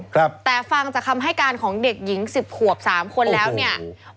ครับแต่ฟังจากคำให้การของเด็กหญิงสิบขวบสามคนแล้วเนี่ย